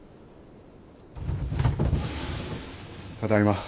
ただいま。